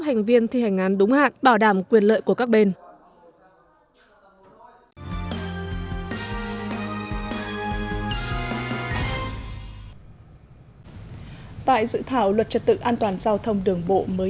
hai việc hỗ trợ nạn nhân tai nạn giao thông